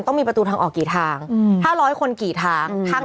ต้องมีประตูทางออกกี่ทาง๕๐๐คนกี่ทาง